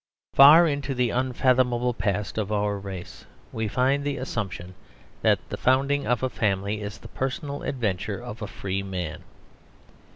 Far into the unfathomable past of our race we find the assumption that the founding of a family is the personal adventure of a free man.